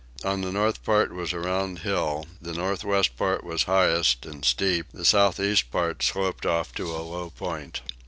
On the north part was a round hill: the north west part was highest and steep: the south east part sloped off to a low point.